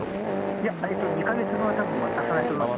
いや、２か月分はたぶん渡さないと思います。